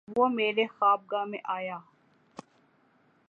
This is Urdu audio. وہ میرے خواب گاہ میں آیا